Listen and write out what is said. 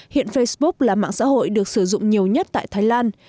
hiện facebook là mạng xã hội được sử dụng nhiều nhất tại thái lan